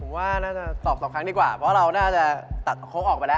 ก็ตอบ๒ครั้งดีกว่าเพราะเราน่าจะตัดโค้กออกไปแล้ว